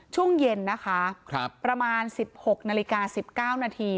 ช่วงเย็นนะคะประมาณ๑๖นาฬิกา๑๙นาที